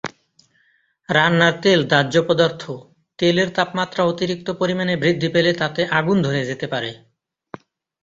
রান্নার তেল দাহ্য পদার্থ, তেলের তাপমাত্রা অতিরিক্ত পরিমাণে বৃদ্ধি পেলে তাতে আগুন ধরে যেতে পারে।